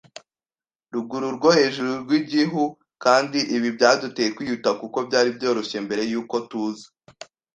ruguru rwo hejuru rw'igihu, kandi ibi byaduteye kwihuta, kuko byari byoroshye, mbere yuko tuza